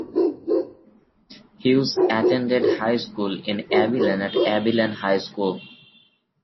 Hughes attended high school in Abilene at Abilene High School.